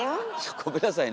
ごめんなさいね